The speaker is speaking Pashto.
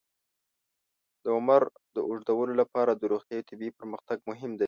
د عمر د اوږدولو لپاره روغتیايي او طبي پرمختګ مهم دی.